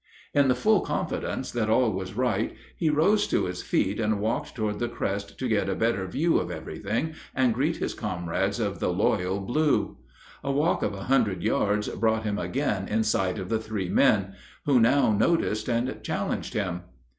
In the full confidence that all was right he rose to his feet and walked toward the crest to get a better view of everything and greet his comrades of the loyal blue. A walk of a hundred yards brought him again in sight of the three men, who now noticed and challenged him.